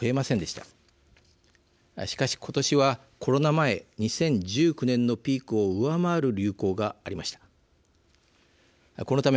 しかし、今年はコロナ前、２０１９年のピークを上回る流行がありました。